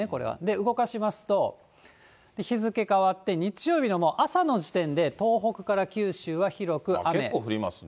動かしますと、日付変わって、日曜日のもう朝の時点で、結構降りますね。